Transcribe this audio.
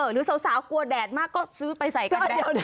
หรือสาวกลัวแดดมากก็ซื้อไปใส่กันแล้ว